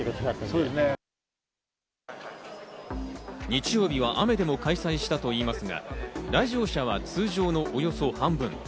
日曜日は雨でも開催したといいますが、来場者は通常のおよそ半分。